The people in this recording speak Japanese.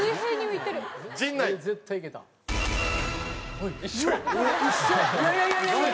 いやいやいやいや！